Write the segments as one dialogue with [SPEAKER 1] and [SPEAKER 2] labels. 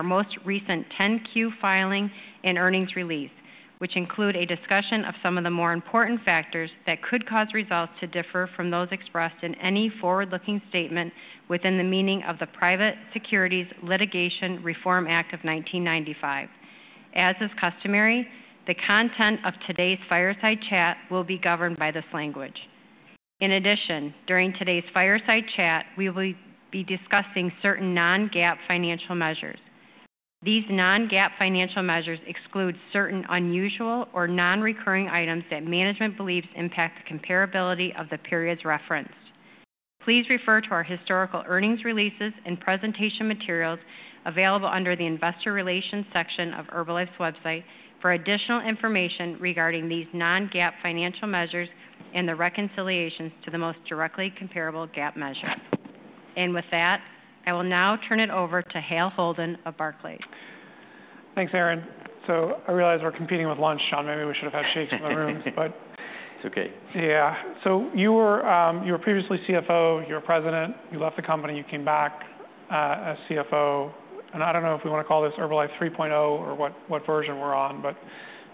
[SPEAKER 1] Our most recent 10-Q filing and earnings release, which include a discussion of some of the more important factors that could cause results to differ from those expressed in any forward-looking statement within the meaning of the Private Securities Litigation Reform Act of 1995. As is customary, the content of today's fireside chat will be governed by this language. In addition, during today's fireside chat, we will be discussing certain non-GAAP financial measures. These non-GAAP financial measures exclude certain unusual or non-recurring items that management believes impact the comparability of the periods referenced. Please refer to our historical earnings releases and presentation materials available under the Investor Relations section of Herbalife's website for additional information regarding these non-GAAP financial measures and the reconciliations to the most directly comparable GAAP measure. And with that, I will now turn it over to Hale Holden of Barclays.
[SPEAKER 2] Thanks, Erin. So I realize we're competing with lunch, John. Maybe we should have had shakes in the room, but.
[SPEAKER 3] It's okay.
[SPEAKER 2] Yeah. So you were previously CFO, you were president. You left the company, you came back as CFO, and I don't know if we want to call this Herbalife 3.0 or what version we're on, but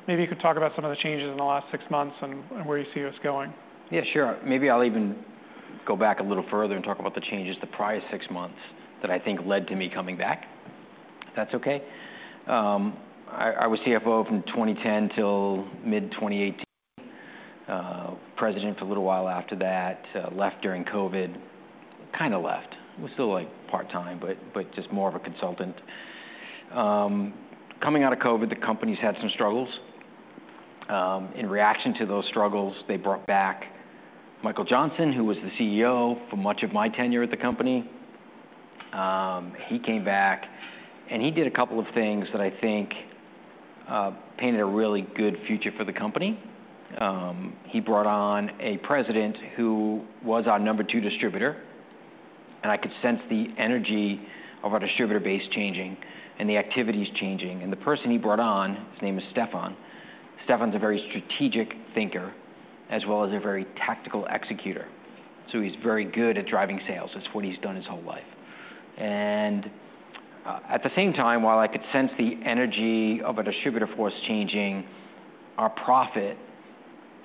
[SPEAKER 2] maybe you could talk about some of the changes in the last six months and where you see us going.
[SPEAKER 3] Yeah, sure. Maybe I'll even go back a little further and talk about the changes the prior six months that I think led to me coming back, if that's okay. I was CFO from 2010 till mid-2018. President for a little while after that. Left during COVID. Kinda left. It was still, like, part-time, but just more of a consultant. Coming out of COVID, the company's had some struggles. In reaction to those struggles, they brought back Michael Johnson, who was the CEO for much of my tenure at the company. He came back, and he did a couple of things that I think painted a really good future for the company. He brought on a president who was our number two distributor, and I could sense the energy of our distributor base changing and the activities changing. The person he brought on, his name is Stephan. Stephan's a very strategic thinker as well as a very tactical executor, so he's very good at driving sales. That's what he's done his whole life. At the same time, while I could sense the energy of a distributor force changing, our profit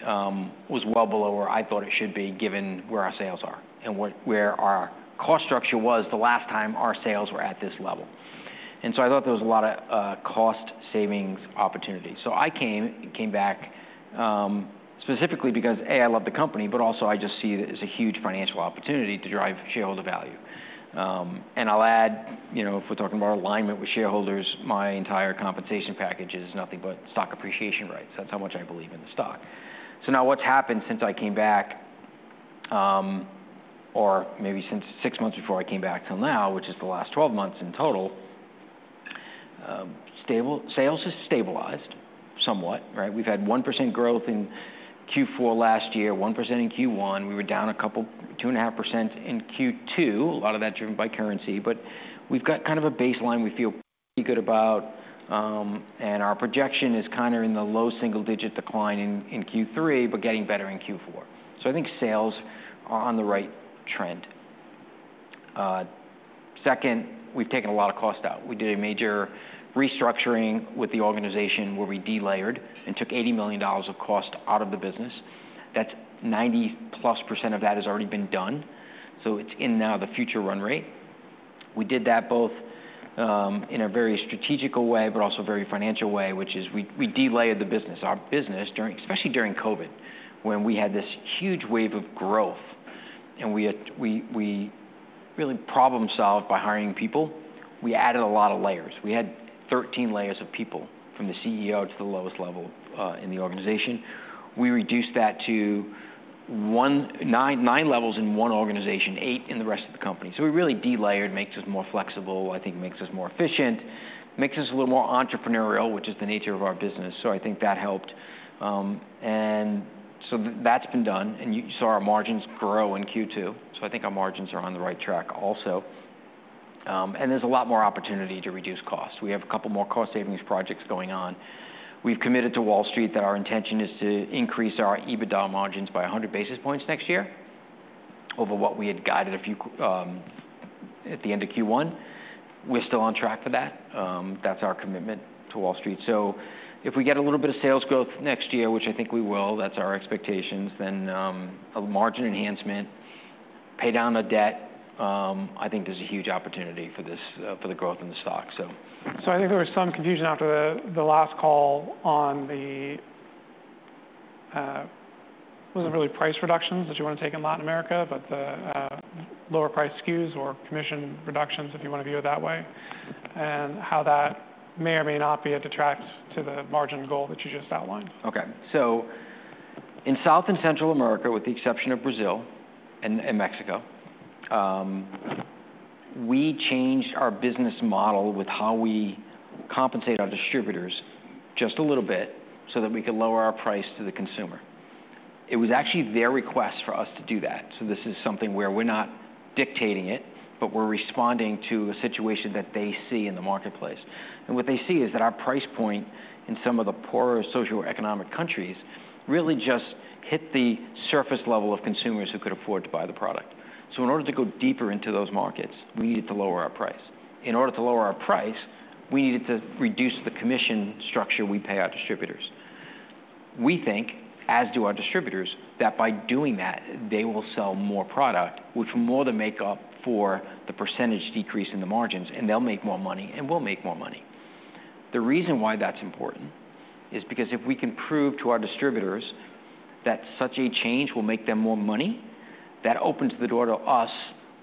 [SPEAKER 3] was well below where I thought it should be, given where our sales are and where our cost structure was the last time our sales were at this level. I thought there was a lot of cost savings opportunities. I came back specifically because, A, I love the company, but also I just see it as a huge financial opportunity to drive shareholder value. I'll add, you know, if we're talking about alignment with shareholders, my entire compensation package is nothing but stock appreciation rights. That's how much I believe in the stock. So now what's happened since I came back, or maybe since six months before I came back till now, which is the last twelve months in total, sales has stabilized somewhat, right? We've had 1% growth in Q4 last year, 1% in Q1. We were down 2.5% in Q2, a lot of that driven by currency, but we've got kind of a baseline we feel pretty good about, and our projection is kind of in the low single-digit decline in Q3, but getting better in Q4. So I think sales are on the right trend. Second, we've taken a lot of cost out. We did a major restructuring with the organization, where we de-layered and took $80 million of cost out of the business. That's 90+% of that has already been done, so it's in now the future run rate. We did that both in a very strategical way, but also very financial way, which is we de-layered the business. Our business during especially during COVID, when we had this huge wave of growth, and we really problem-solved by hiring people. We added a lot of layers. We had 13 layers of people, from the CEO to the lowest level in the organization. We reduced that to nine, nine levels in one organization, eight in the rest of the company. So we really de-layered, makes us more flexible, I think makes us more efficient, makes us a little more entrepreneurial, which is the nature of our business, so I think that helped. And so that's been done, and you saw our margins grow in Q2, so I think our margins are on the right track also. And there's a lot more opportunity to reduce costs. We have a couple more cost savings projects going on. We've committed to Wall Street that our intention is to increase our EBITDA margins by 100 basis points next year over what we had guided a few at the end of Q1. We're still on track for that. That's our commitment to Wall Street. So if we get a little bit of sales growth next year, which I think we will, that's our expectations, then a margin enhancement, pay down the debt. I think there's a huge opportunity for this for the growth in the stock, so.
[SPEAKER 2] So I think there was some confusion after the last call on it wasn't really price reductions that you want to take in Latin America, but the lower price SKUs or commission reductions, if you want to view it that way, and how that may or may not be a detract to the margin goal that you just outlined.
[SPEAKER 3] Okay. So in South and Central America, with the exception of Brazil and Mexico, we changed our business model with how we compensate our distributors just a little bit so that we could lower our price to the consumer. It was actually their request for us to do that, so this is something where we're not dictating it, but we're responding to a situation that they see in the marketplace. And what they see is that our price point in some of the poorer socioeconomic countries really just hit the surface level of consumers who could afford to buy the product. So in order to go deeper into those markets, we needed to lower our price. In order to lower our price, we needed to reduce the commission structure we pay our distributors. We think, as do our distributors, that by doing that, they will sell more product, which more than make up for the percentage decrease in the margins, and they'll make more money, and we'll make more money. The reason why that's important is because if we can prove to our distributors that such a change will make them more money, that opens the door to us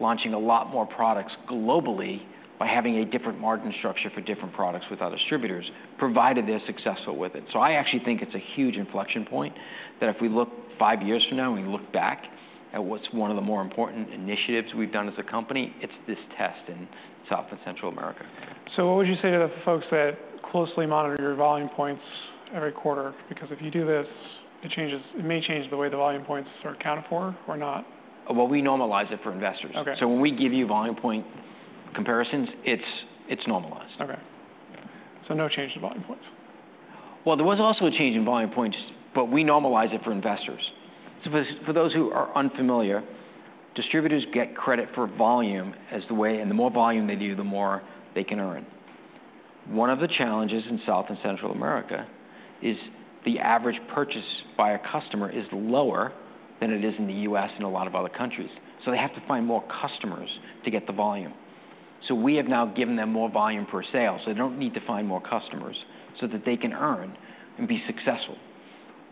[SPEAKER 3] launching a lot more products globally by having a different margin structure for different products with our distributors, provided they're successful with it. So I actually think it's a huge inflection point, that if we look five years from now, and we look back at what's one of the more important initiatives we've done as a company, it's this test in South and Central America.
[SPEAKER 2] What would you say to the folks that closely monitor your volume points every quarter? Because if you do this, it may change the way the volume points are accounted for or not.
[SPEAKER 3] We normalize it for investors.
[SPEAKER 2] Okay.
[SPEAKER 3] So when we give you volume points comparisons, it's normalized.
[SPEAKER 2] Okay. So no change in volume points?
[SPEAKER 3] There was also a change in volume points, but we normalize it for investors. So for those who are unfamiliar, distributors get credit for volume as the way. And the more volume they do, the more they can earn. One of the challenges in South and Central America is the average purchase by a customer is lower than it is in the U.S. and a lot of other countries, so they have to find more customers to get the volume. So we have now given them more volume per sale, so they don't need to find more customers, so that they can earn and be successful.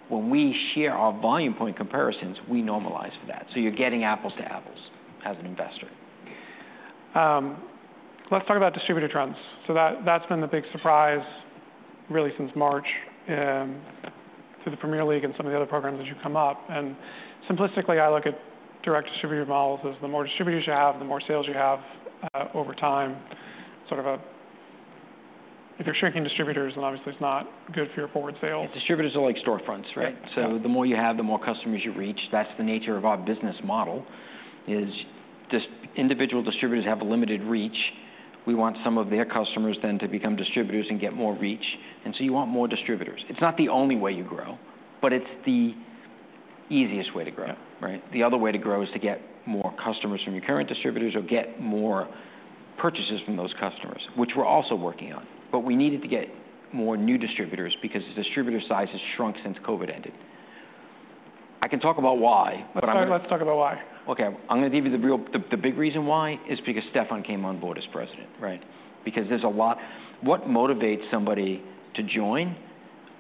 [SPEAKER 3] When we share our volume point comparisons, we normalize for that, so you're getting apples to apples as an investor.
[SPEAKER 2] Let's talk about distributor trends. So that, that's been the big surprise, really, since March, through the Premier League and some of the other programs as you come up. And simplistically, I look at direct distributor models as the more distributors you have, the more sales you have, over time. Sort of a... If you're shrinking distributors, then obviously it's not good for your forward sales.
[SPEAKER 3] Distributors are like storefronts, right? So the more you have, the more customers you reach. That's the nature of our business model, is this individual distributors have a limited reach. We want some of their customers then to become distributors and get more reach, and so you want more distributors. It's not the only way you grow, but it's the easiest way to grow. Right? The other way to grow is to get more customers from your current distributors or get more purchases from those customers, which we're also working on. But we needed to get more new distributors because the distributor size has shrunk since COVID ended. I can talk about why, but-
[SPEAKER 2] Let's talk about why.
[SPEAKER 3] Okay, I'm gonna give you the real. The big reason why is because Stephan came on board as President, right? Because there's a lot. What motivates somebody to join,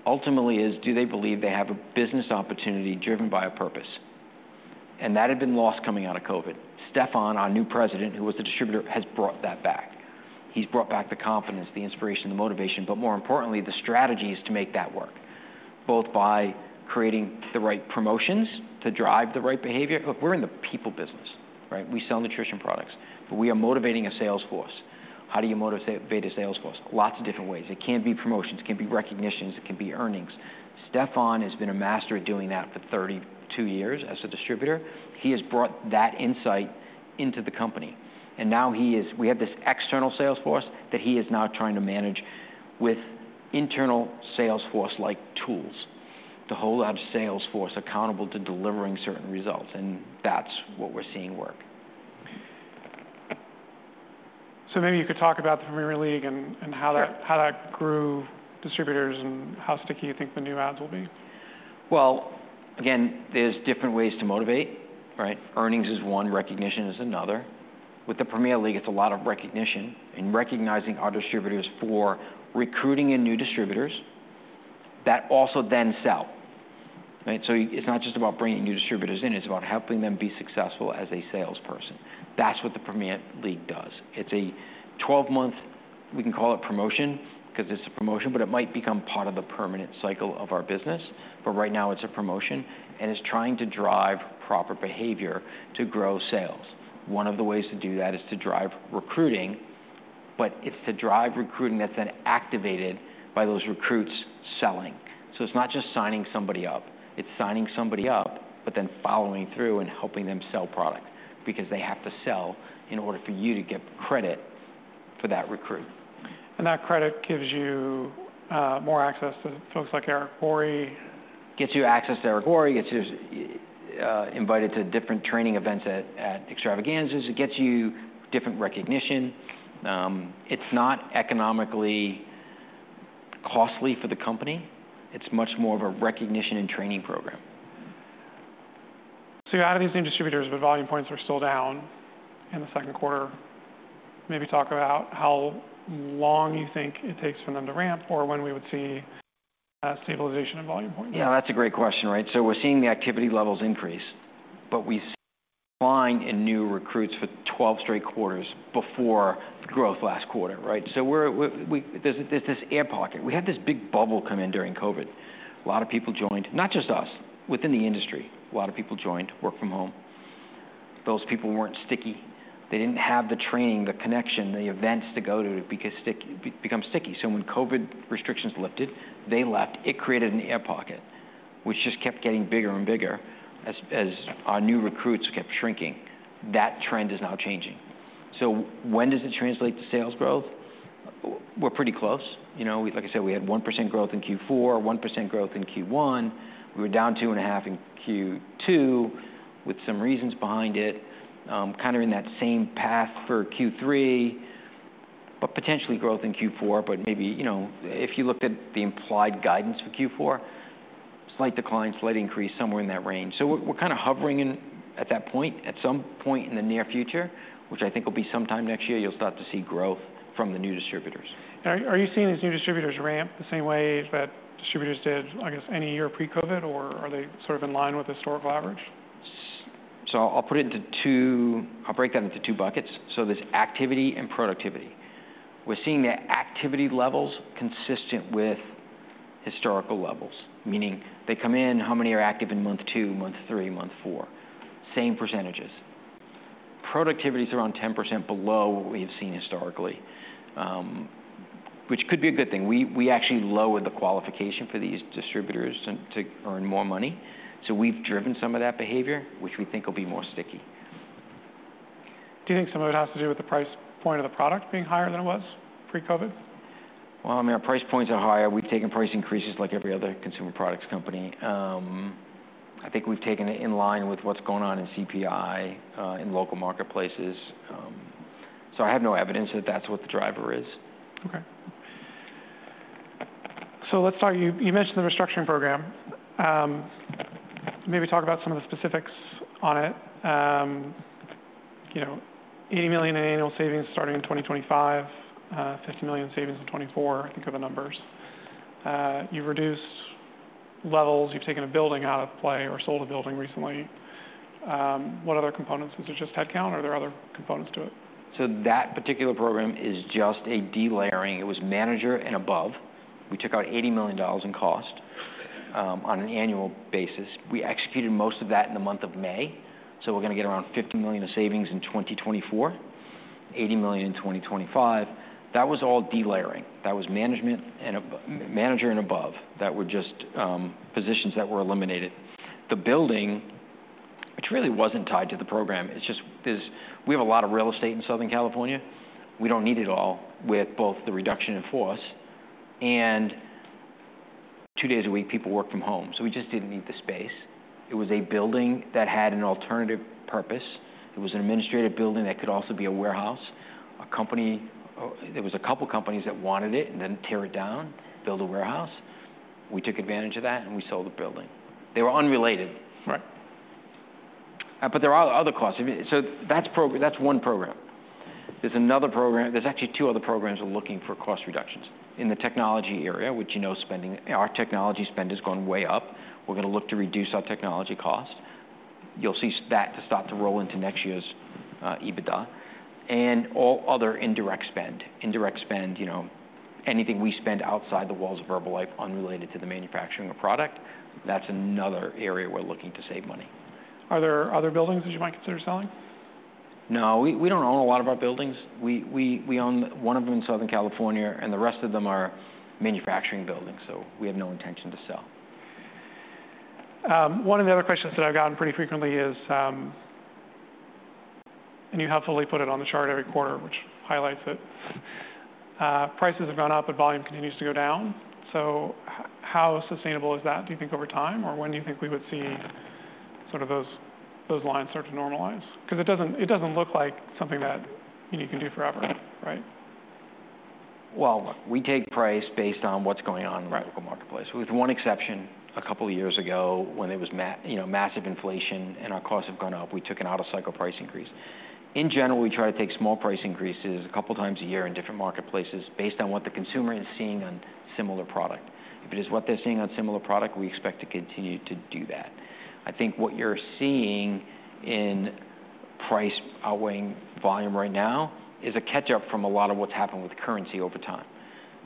[SPEAKER 3] ultimately, is do they believe they have a business opportunity driven by a purpose? And that had been lost coming out of COVID. Stephan, our new President, who was a distributor, has brought that back. He's brought back the confidence, the inspiration, the motivation, but more importantly, the strategies to make that work, both by creating the right promotions to drive the right behavior. Look, we're in the people business, right? We sell nutrition products, but we are motivating a sales force. How do you motivate a sales force? Lots of different ways. It can be promotions, it can be recognitions, it can be earnings. Stephan has been a master at doing that for 32 years as a distributor. He has brought that insight into the company, and now we have this external sales force that he is now trying to manage with internal sales force like tools, to hold our sales force accountable to delivering certain results, and that's what we're seeing work.
[SPEAKER 2] So maybe you could talk about the Premier League and how that.
[SPEAKER 3] Sure.
[SPEAKER 2] How that grew distributors and how sticky you think the new adds will be?
[SPEAKER 3] Again, there's different ways to motivate, right? Earnings is one, recognition is another. With the Premier League, it's a lot of recognition and recognizing our distributors for recruiting in new distributors that also then sell, right? So it's not just about bringing new distributors in, it's about helping them be successful as a salesperson. That's what the Premier League does. It's a twelve-month, we can call it promotion, because it's a promotion, but it might become part of the permanent cycle of our business. But right now, it's a promotion, and it's trying to drive proper behavior to grow sales. One of the ways to do that is to drive recruiting, but it's to drive recruiting that's then activated by those recruits selling. So it's not just signing somebody up, it's signing somebody up, but then following through and helping them sell product, because they have to sell in order for you to get credit for that recruit.
[SPEAKER 2] And that credit gives you more access to folks like Eric Worre?
[SPEAKER 3] Gets you access to Eric Worre, gets you invited to different training events at Extravaganzas. It gets you different recognition. It's not economically costly for the company. It's much more of a recognition and training program.
[SPEAKER 2] So you added these new distributors, but volume points are still down in the second quarter. Maybe talk about how long you think it takes for them to ramp, or when we would see stabilization of volume points?
[SPEAKER 3] Yeah, that's a great question, right? So we're seeing the activity levels increase, but we see decline in new recruits for twelve straight quarters before the growth last quarter, right? So we're. There's this air pocket. We had this big bubble come in during COVID. A lot of people joined, not just us, within the industry, a lot of people joined, work from home. Those people weren't sticky. They didn't have the training, the connection, the events to go to to become sticky. So when COVID restrictions lifted, they left. It created an air pocket, which just kept getting bigger and bigger as our new recruits kept shrinking. That trend is now changing. So when does it translate to sales growth? We're pretty close. You know, like I said, we had 1% growth in Q4, 1% growth in Q1. We were down two and a half in Q2, with some reasons behind it. Kind of in that same path for Q3, but potentially growth in Q4. But maybe, you know, if you looked at the implied guidance for Q4, slight decline, slight increase, somewhere in that range. So we're kind of hovering in at that point, at some point in the near future, which I think will be sometime next year, you'll start to see growth from the new distributors.
[SPEAKER 2] Are you seeing these new distributors ramp the same way that distributors did, I guess, any year pre-COVID, or are they sort of in line with historical average?
[SPEAKER 3] I'll put it into two. I'll break that into two buckets. So there's activity and productivity. We're seeing the activity levels consistent with historical levels, meaning they come in, how many are active in month two, month three, month four? Same percentages. Productivity is around 10% below what we have seen historically, which could be a good thing. We actually lowered the qualification for these distributors to earn more money, so we've driven some of that behavior, which we think will be more sticky.
[SPEAKER 2] Do you think some of it has to do with the price point of the product being higher than it was pre-COVID?
[SPEAKER 3] Well, I mean, our price points are higher. We've taken price increases like every other consumer products company. I think we've taken it in line with what's going on in CPI, in local marketplaces. So I have no evidence that that's what the driver is.
[SPEAKER 2] Okay. So let's talk. You mentioned the restructuring program. Maybe talk about some of the specifics on it. You know, $80 million in annual savings starting in 2025, $50 million savings in 2024, I think are the numbers. You've reduced levels. You've taken a building out of play or sold a building recently. What other components? Is it just headcount, or are there other components to it?
[SPEAKER 3] So that particular program is just a delayering. It was manager and above. We took out $80 million in cost on an annual basis. We executed most of that in the month of May, so we're gonna get around $50 million of savings in 2024, $80 million in 2025. That was all delayering. That was manager and above, that were just positions that were eliminated. The building, which really wasn't tied to the program, it's just this. We have a lot of real estate in Southern California. We don't need it all with both the reduction in force, and two days a week, people work from home, so we just didn't need the space. It was a building that had an alternative purpose. It was an administrative building that could also be a warehouse. A company, or there was a couple companies that wanted it, and then tear it down, build a warehouse. We took advantage of that, and we sold the building. They were unrelated.
[SPEAKER 2] Right.
[SPEAKER 3] But there are other costs. I mean, so that's one program. There's another program. There's actually two other programs we're looking for cost reductions. In the technology area, which, you know, our technology spend has gone way up. We're gonna look to reduce our technology cost. You'll see that start to roll into next year's EBITDA, and all other indirect spend. Indirect spend, you know, anything we spend outside the walls of Herbalife unrelated to the manufacturing of product, that's another area we're looking to save money.
[SPEAKER 2] Are there other buildings that you might consider selling?
[SPEAKER 3] No. We don't own a lot of our buildings. We own one of them in Southern California, and the rest of them are manufacturing buildings, so we have no intention to sell.
[SPEAKER 2] One of the other questions that I've gotten pretty frequently is, and you helpfully put it on the chart every quarter, which highlights it. Prices have gone up, but volume continues to go down. So how sustainable is that, do you think, over time? Or when do you think we would see sort of those lines start to normalize? Because it doesn't look like something that, you know, you can do forever, right?
[SPEAKER 3] Look, we take price based on what's going on.
[SPEAKER 2] Right.
[SPEAKER 3] In the local marketplace. With one exception, a couple of years ago when there was massive inflation and our costs have gone up, we took an out-of-cycle price increase. In general, we try to take small price increases a couple of times a year in different marketplaces based on what the consumer is seeing on similar product. If it is what they're seeing on similar product, we expect to continue to do that. I think what you're seeing in price outweighing volume right now is a catch-up from a lot of what's happened with currency over time.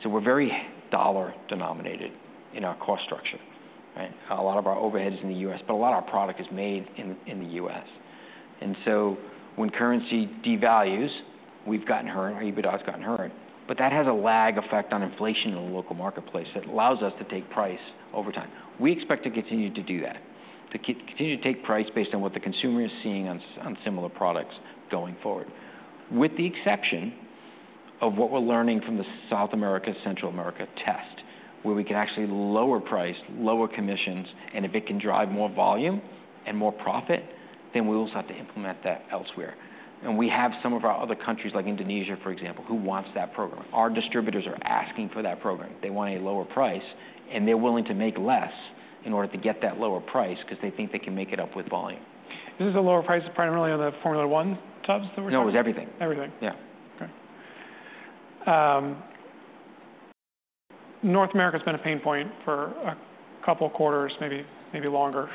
[SPEAKER 3] So we're very dollar-denominated in our cost structure, right? A lot of our overhead is in the U.S., but a lot of our product is made in the U.S. So when currency devalues, we've gotten hurt, our EBITDA has gotten hurt, but that has a lag effect on inflation in the local marketplace that allows us to take price over time. We expect to continue to do that, to continue to take price based on what the consumer is seeing on similar products going forward. With the exception of what we're learning from the South America, Central America test, where we can actually lower price, lower commissions, and if it can drive more volume and more profit, then we'll also have to implement that elsewhere. We have some of our other countries, like Indonesia, for example, who wants that program. Our distributors are asking for that program. They want a lower price, and they're willing to make less in order to get that lower price, because they think they can make it up with volume.
[SPEAKER 2] Is the lower price primarily on the Formula 1 tubs that we're seeing?
[SPEAKER 3] No, it was everything.
[SPEAKER 2] Everything? Okay. North America has been a pain point for a couple of quarters, maybe longer.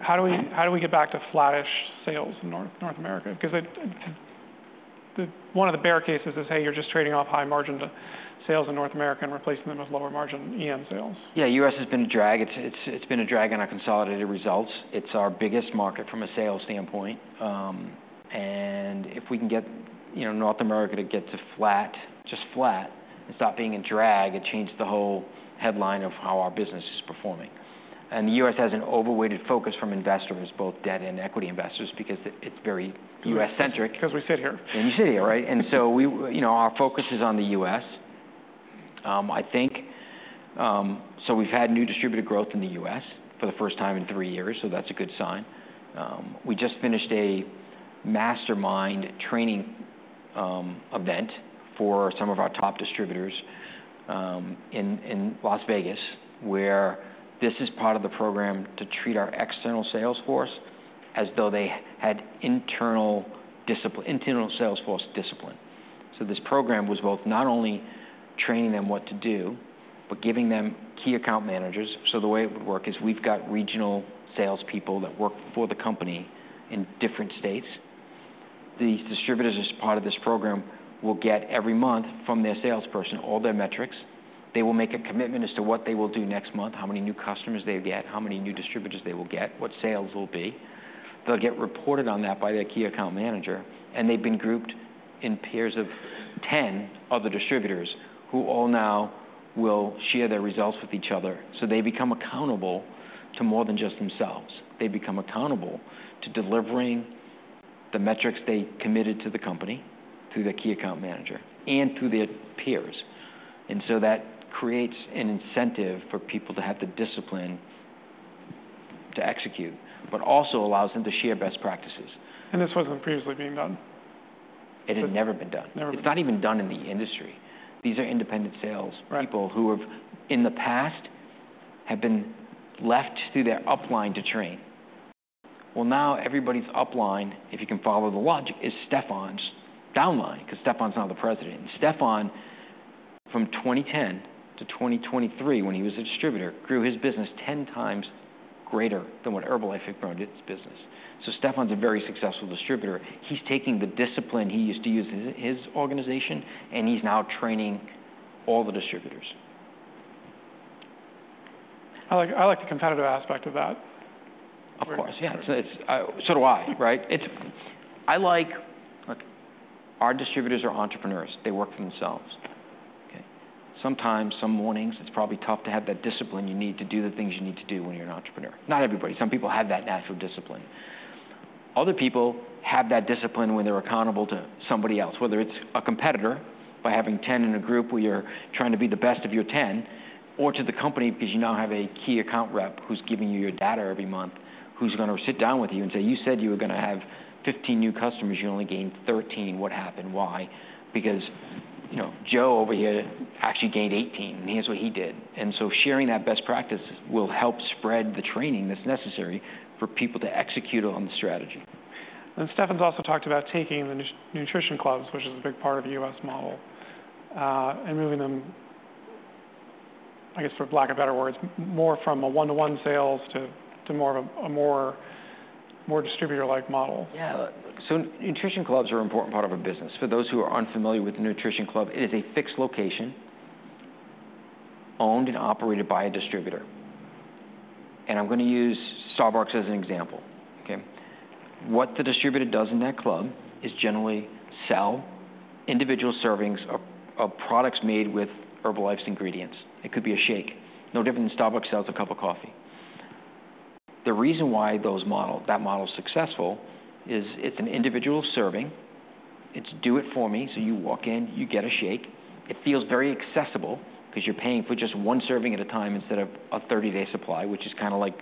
[SPEAKER 2] How do we get back to flattish sales in North America? Because one of the bear cases is, hey, you're just trading off high-margin sales in North America and replacing them with lower-margin EM sales.
[SPEAKER 3] Yeah, U.S. has been a drag. It's been a drag on our consolidated results. It's our biggest market from a sales standpoint, and if we can get, you know, North America to get to flat, just flat, and stop being a drag, it changes the whole headline of how our business is performing, and the U.S. has an overweighted focus from investors, both debt and equity investors, because it's very U.S.-centric.
[SPEAKER 2] Because we sit here.
[SPEAKER 3] You sit here, right? And so we, you know, our focus is on the U.S. I think, so we've had new distributor growth in the U.S. for the first time in three years, so that's a good sign. We just finished a Mastermind training event for some of our top distributors in Las Vegas, where this is part of the program to treat our external sales force as though they had internal sales force discipline. So this program was both not only training them what to do but giving them key account managers. So the way it works is we've got regional salespeople that work for the company in different states. These distributors, as part of this program, will get every month from their salesperson all their metrics. They will make a commitment as to what they will do next month, how many new customers they get, how many new distributors they will get, what sales will be. They'll get reported on that by their key account manager, and they've been grouped in pairs of ten other distributors who all now will share their results with each other, so they become accountable to more than just themselves. They become accountable to delivering the metrics they committed to the company, through their key account manager and through their peers, and so that creates an incentive for people to have the discipline to execute, but also allows them to share best practices.
[SPEAKER 2] And this wasn't previously being done?
[SPEAKER 3] It had never been done.
[SPEAKER 2] Never.
[SPEAKER 3] It's not even done in the industry. These are independent sales-
[SPEAKER 2] Right.
[SPEAKER 3] People who, in the past, have been left to their upline to train. Well, now everybody's upline, if you can follow the logic, is Stephan's downline, 'cause Stephan's now the president. And Stephan, from twenty ten to twenty twenty-three, when he was a distributor, grew his business ten times greater than what Herbalife had grown its business. So Stephan's a very successful distributor. He's taking the discipline he used to use in his organization, and he's now training all the distributors.
[SPEAKER 2] I like, I like the competitive aspect of that.
[SPEAKER 3] Of course. Yeah, so it's. So do I, right? Look, our distributors are entrepreneurs. They work for themselves, okay? Sometimes, some mornings, it's probably tough to have that discipline you need to do the things you need to do when you're an entrepreneur. Not everybody. Some people have that natural discipline. Other people have that discipline when they're accountable to somebody else, whether it's a competitor, by having 10 in a group where you're trying to be the best of your 10, or to the company because you now have a key account rep who's giving you your data every month, who's gonna sit down with you and say, "You said you were gonna have 15 new customers. You only gained 13. What happened? Why? Because, you know, Joe over here actually gained 18, and here's what he did," and so sharing that best practice will help spread the training that's necessary for people to execute on the strategy.
[SPEAKER 2] Stephan's also talked about taking the nutrition clubs, which is a big part of the U.S. model, and moving them, I guess, for lack of better words, more from a one-to-one sales to more of a more distributor-like model.
[SPEAKER 3] Yeah. So nutrition clubs are an important part of our business. For those who are unfamiliar with the Nutrition Club, it is a fixed location, owned and operated by a distributor, and I'm gonna use Starbucks as an example, okay? What the distributor does in that club is generally sell individual servings of products made with Herbalife's ingredients. It could be a shake. No different than Starbucks sells a cup of coffee. The reason why that model is successful is it's an individual serving. It's do it for me, so you walk in, you get a shake. It feels very accessible because you're paying for just one serving at a time instead of a thirty-day supply, which is kind of like,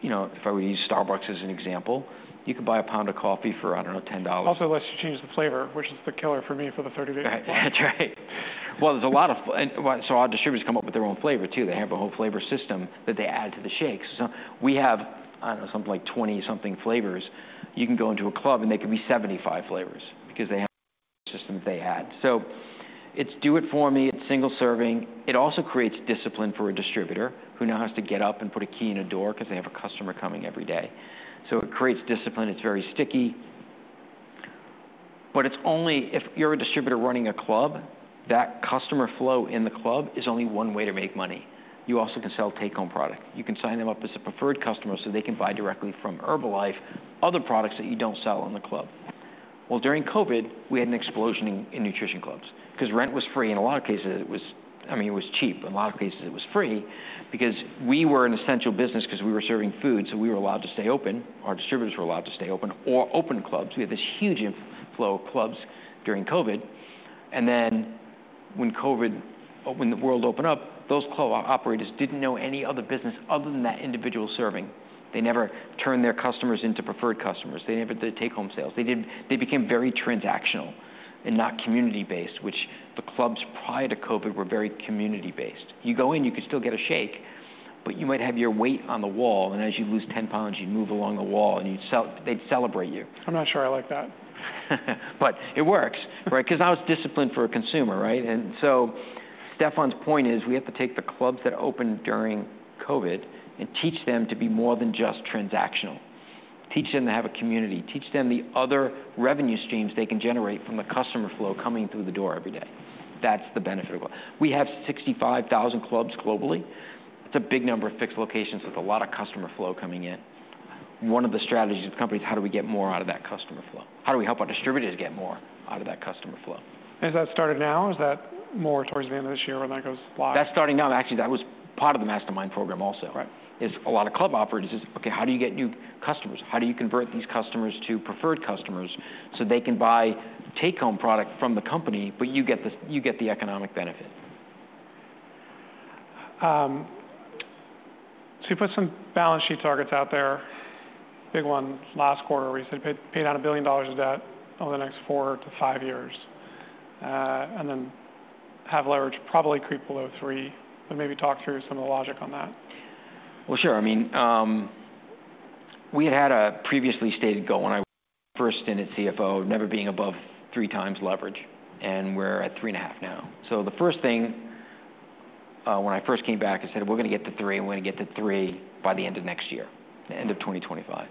[SPEAKER 3] you know, if I were to use Starbucks as an example, you could buy a pound of coffee for, I don't know, $10.
[SPEAKER 2] Also lets you change the flavor, which is the killer for me, for the thirty-day supply.
[SPEAKER 3] Right. That's right. Well, there's a lot of flavor. And, well, our distributors come up with their own flavor, too. They have a whole flavor system that they add to the shakes. We have, I don't know, something like 20-something flavors. You can go into a club, and there could be 75 flavors because they have a system they add. It's do-it-for-me. It's single serving. It also creates discipline for a distributor who now has to get up and put a key in a door because they have a customer coming every day. It creates discipline. It's very sticky, but it's only... If you're a distributor running a club, that customer flow in the club is only one way to make money. You also can sell take-home product. You can sign them up as a preferred customer, so they can buy directly from Herbalife, other products that you don't sell in the club. Well, during COVID, we had an explosion in nutrition clubs because rent was free. In a lot of cases, I mean, it was cheap. In a lot of cases, it was free because we were an essential business, because we were serving food, so we were allowed to stay open. Our distributors were allowed to stay open or open clubs. We had this huge inflow of clubs during COVID, and then when COVID, or when the world opened up, those club operators didn't know any other business other than that individual serving. They never turned their customers into preferred customers. They never did take-home sales. They became very transactional and not community-based, which the clubs prior to COVID were very community-based. You go in, you could still get a shake, but you might have your weight on the wall, and as you'd lose ten pounds, you'd move along the wall, and they'd celebrate you.
[SPEAKER 2] I'm not sure I like that.
[SPEAKER 3] But it works, right? 'Cause now it's discipline for a consumer, right? And so Stephan's point is, we have to take the clubs that opened during COVID and teach them to be more than just transactional, teach them to have a community, teach them the other revenue streams they can generate from the customer flow coming through the door every day. That's the benefit of it. We have 65,000 clubs globally. It's a big number of fixed locations with a lot of customer flow coming in.... One of the strategies of the company is how do we get more out of that customer flow? How do we help our distributors get more out of that customer flow?
[SPEAKER 2] Has that started now, or is that more towards the end of this year when that goes live?
[SPEAKER 3] That's starting now. Actually, that was part of the Mastermind program also.
[SPEAKER 2] Right.
[SPEAKER 3] It's a lot of club operators, okay, how do you get new customers? How do you convert these customers to preferred customers so they can buy take-home product from the company, but you get the economic benefit?
[SPEAKER 2] You put some balance sheet targets out there, big one last quarter where you said, pay down $1 billion of debt over the next four to five years, and then have leverage probably creep below three. Maybe talk through some of the logic on that.
[SPEAKER 3] Sure. I mean, we had had a previously stated goal when I first stint as CFO, never being above three times leverage, and we're at three and a half now. So the first thing, when I first came back, I said, "We're gonna get to three, and we're gonna get to three by the end of next year, the end of 2025."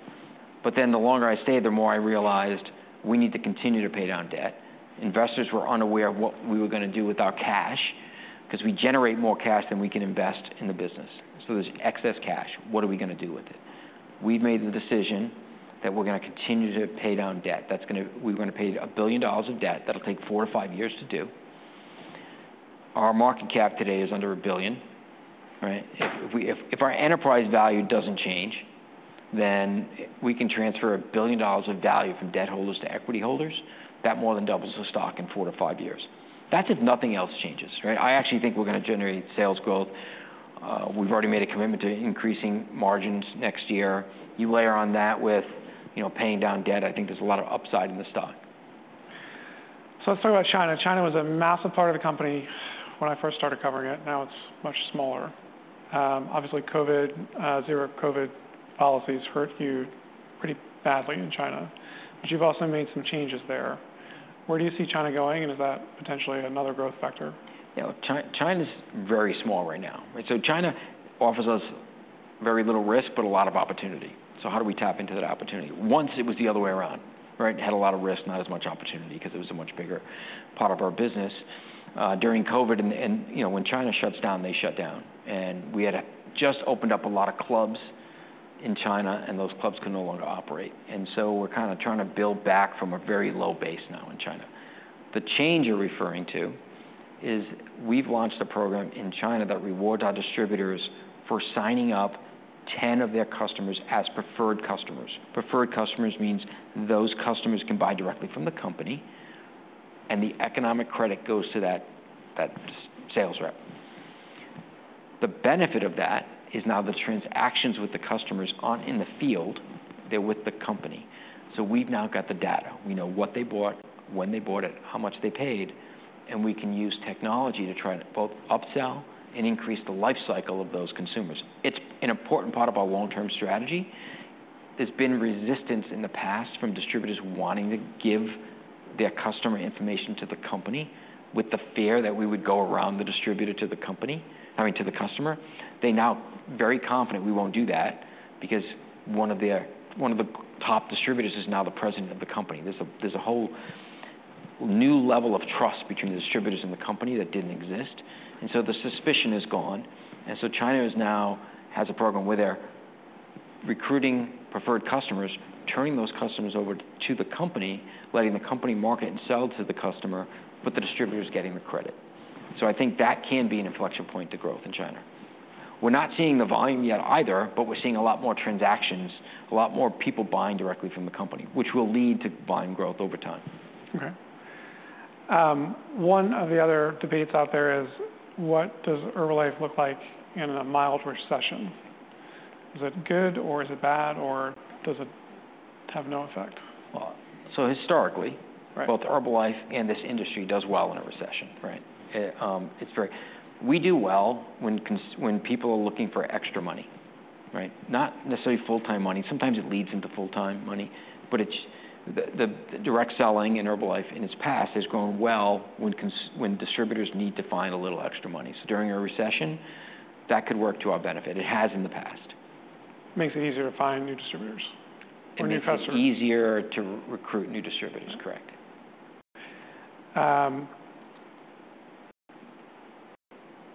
[SPEAKER 3] But then the longer I stayed, the more I realized we need to continue to pay down debt. Investors were unaware of what we were gonna do with our cash, 'cause we generate more cash than we can invest in the business. So there's excess cash. What are we gonna do with it? We've made the decision that we're gonna continue to pay down debt. That's gonna. We're gonna pay $1 billion of debt. That'll take 4-5 years to do. Our market cap today is under $1 billion, right? If our enterprise value doesn't change, then we can transfer $1 billion of value from debt holders to equity holders. That more than doubles the stock in four-to-five years. That's if nothing else changes, right? I actually think we're gonna generate sales growth. We've already made a commitment to increasing margins next year. You layer on that with, you know, paying down debt, I think there's a lot of upside in the stock.
[SPEAKER 2] So let's talk about China. China was a massive part of the company when I first started covering it. Now it's much smaller. Obviously, COVID, zero COVID policies hurt you pretty badly in China, but you've also made some changes there. Where do you see China going, and is that potentially another growth factor?
[SPEAKER 3] You know, China's very small right now, right? So China offers us very little risk, but a lot of opportunity. So how do we tap into that opportunity? Once it was the other way around, right? It had a lot of risk, not as much opportunity, 'cause it was a much bigger part of our business. During COVID, and you know, when China shuts down, they shut down, and we had just opened up a lot of clubs in China, and those clubs can no longer operate. And so we're kinda trying to build back from a very low base now in China. The change you're referring to is we've launched a program in China that rewards our distributors for signing up ten of their customers as preferred customers. Preferred customers means those customers can buy directly from the company, and the economic credit goes to that sales rep. The benefit of that is now the transactions with the customers aren't in the field, they're with the company. So we've now got the data. We know what they bought, when they bought it, how much they paid, and we can use technology to try to both upsell and increase the life cycle of those consumers. It's an important part of our long-term strategy. There's been resistance in the past from distributors wanting to give their customer information to the company with the fear that we would go around the distributor to the company. I mean to the customer. They're now very confident we won't do that because one of the top distributors is now the president of the company. There's a whole new level of trust between the distributors and the company that didn't exist, and so the suspicion is gone, and so China is now has a program where they're recruiting preferred customers, turning those customers over to the company, letting the company market and sell to the customer, but the distributor's getting the credit, so I think that can be an inflection point to growth in China. We're not seeing the volume yet either, but we're seeing a lot more transactions, a lot more people buying directly from the company, which will lead to volume growth over time.
[SPEAKER 2] Okay. One of the other debates out there is: What does Herbalife look like in a mild recession? Is it good, or is it bad, or does it have no effect?
[SPEAKER 3] Well, so historically.
[SPEAKER 2] Right.
[SPEAKER 3] Both Herbalife and this industry does well in a recession, right? We do well when people are looking for extra money, right? Not necessarily full-time money. Sometimes it leads into full-time money, but it's the direct selling in Herbalife in its past has grown well when distributors need to find a little extra money. So during a recession, that could work to our benefit. It has in the past.
[SPEAKER 2] Makes it easier to find new distributors or new customers.
[SPEAKER 3] Makes it easier to recruit new distributors, correct?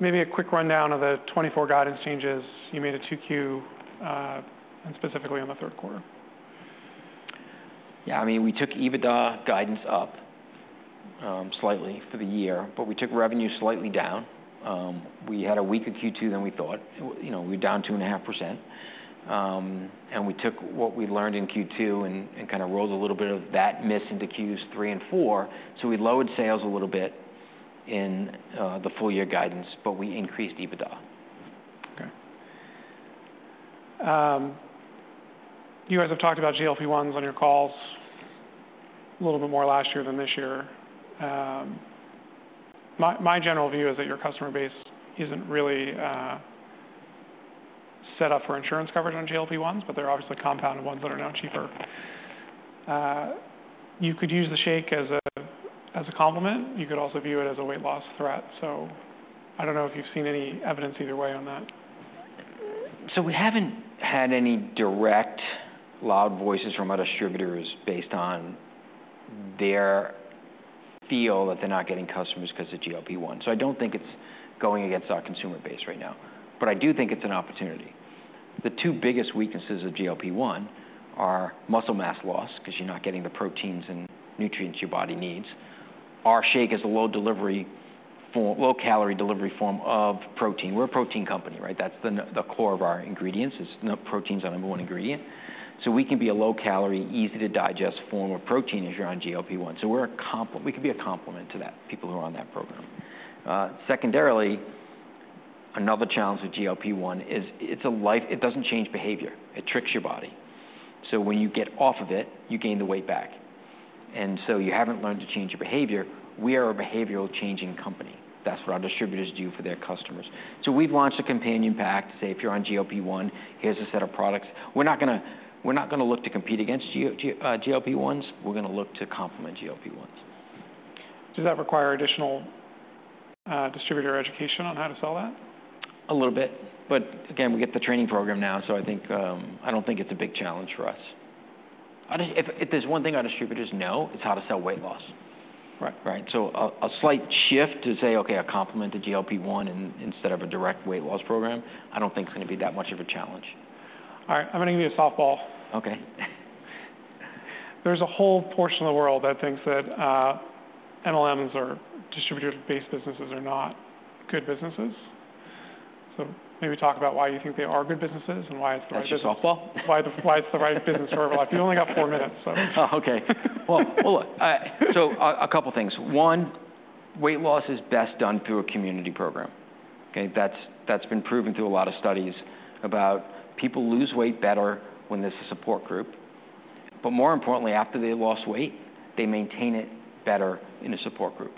[SPEAKER 2] Maybe a quick rundown of the 2024 guidance changes you made at 2Q, and specifically on the third quarter?
[SPEAKER 3] Yeah, I mean, we took EBITDA guidance up, slightly for the year, but we took revenue slightly down. We had a weaker Q2 than we thought. You know, we're down 2.5%. And we took what we learned in Q2 and kind of rolled a little bit of that miss into Q3 and Q4, so we lowered sales a little bit in the full year guidance, but we increased EBITDA.
[SPEAKER 2] Okay. You guys have talked about GLP-1s on your calls a little bit more last year than this year. My general view is that your customer base isn't really set up for insurance coverage on GLP-1s, but they're obviously compound ones that are now cheaper. You could use the shake as a complement. You could also view it as a weight loss threat. So I don't know if you've seen any evidence either way on that.
[SPEAKER 3] So we haven't had any direct loud voices from our distributors based on their feel that they're not getting customers because of GLP-1. So I don't think it's going against our consumer base right now, but I do think it's an opportunity. The two biggest weaknesses of GLP-1 are muscle mass loss, because you're not getting the proteins and nutrients your body needs. Our shake is a low-calorie delivery form of protein. We're a protein company, right? That's the core of our ingredients, is protein is our number one ingredient. So we can be a low-calorie, easy-to-digest form of protein if you're on GLP-1. So we can be a complement to that, people who are on that program. Secondarily, another challenge with GLP-1 is it doesn't change behavior. It tricks your body. When you get off of it, you gain the weight back, and so you haven't learned to change your behavior. We are a behavioral changing company. That's what our distributors do for their customers. We've launched a companion pack to say, "If you're on GLP-1, here's a set of products." We're not gonna look to compete against GLP-1s. We're gonna look to complement GLP-1s.
[SPEAKER 2] Does that require additional distributor education on how to sell that?
[SPEAKER 3] A little bit. But again, we get the training program now, so I think, I don't think it's a big challenge for us. I think if there's one thing our distributors know, it's how to sell weight loss.
[SPEAKER 2] Right.
[SPEAKER 3] Right? So a slight shift to say, "Okay, a complement to GLP-1 in- instead of a direct weight loss program," I don't think is gonna be that much of a challenge.
[SPEAKER 2] All right, I'm gonna give you a softball.
[SPEAKER 3] Okay.
[SPEAKER 2] There's a whole portion of the world that thinks that MLMs or distributor-based businesses are not good businesses. So maybe talk about why you think they are good businesses and why it's the right-
[SPEAKER 3] That's your softball?
[SPEAKER 2] Why it's the right business for Life. You only got four minutes, so.
[SPEAKER 3] Well, so a couple things. One, weight loss is best done through a community program, okay? That's been proven through a lot of studies about people lose weight better when there's a support group, but more importantly, after they lost weight, they maintain it better in a support group.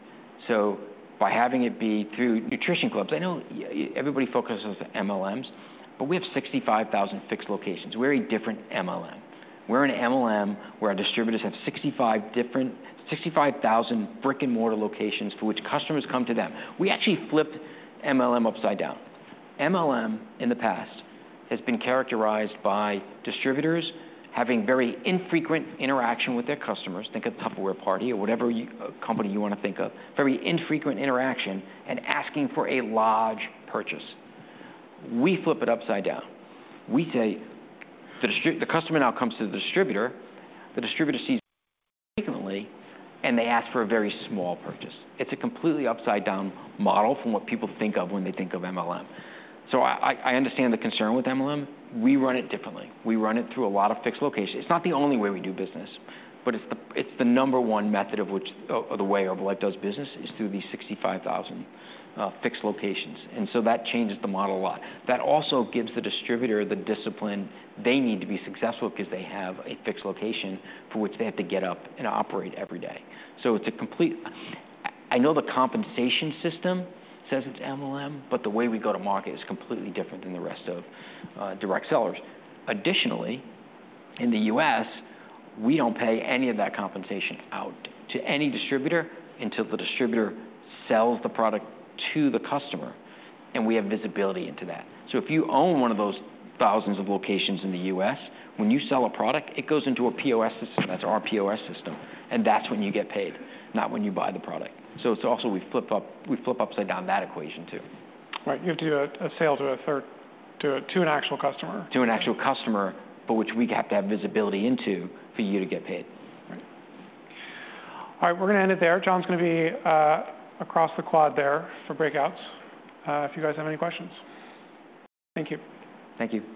[SPEAKER 3] So by having it be through nutrition clubs. I know everybody focuses on MLMs, but we have sixty-five thousand fixed locations. We're a different MLM. We're an MLM where our distributors have sixty-five thousand brick-and-mortar locations for which customers come to them. We actually flipped MLM upside down. MLM, in the past, has been characterized by distributors having very infrequent interaction with their customers, think a Tupperware party or whatever company you wanna think of, very infrequent interaction and asking for a large purchase. We flip it upside down. We say the customer now comes to the distributor, the distributor sees frequently, and they ask for a very small purchase. It's a completely upside-down model from what people think of when they think of MLM. So I understand the concern with MLM. We run it differently. We run it through a lot of fixed locations. It's not the only way we do business, but it's the number one method of which or the way Herbalife does business is through these sixty-five thousand fixed locations, and so that changes the model a lot. That also gives the distributor the discipline they need to be successful because they have a fixed location for which they have to get up and operate every day. So it's a complete... I know the compensation system says it's MLM, but the way we go to market is completely different than the rest of direct sellers. Additionally, in the U.S., we don't pay any of that compensation out to any distributor until the distributor sells the product to the customer, and we have visibility into that. So if you own one of those thousands of locations in the U.S., when you sell a product, it goes into a POS system. That's our POS system, and that's when you get paid, not when you buy the product. So it's also, we flip upside down that equation, too.
[SPEAKER 2] Right. You have to do a sale to a third, to an actual customer.
[SPEAKER 3] To an actual customer, but which we have to have visibility into for you to get paid.
[SPEAKER 2] Right. All right, we're gonna end it there. John's gonna be across the quad there for breakouts, if you guys have any questions. Thank you.
[SPEAKER 3] Thank you.